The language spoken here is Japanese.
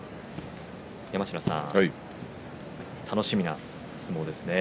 山科さん、楽しみな相撲ですね。